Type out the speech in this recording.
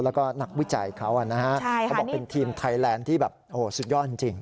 แล้วก็นักวิจัยเขานะฮะเขาบอกเป็นทีมไทยแลนด์ที่แบบโอ้โหสุดยอดจริง